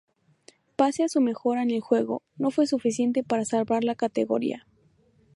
Pese a su mejora en el juego, no fue suficiente para salvar la categoría.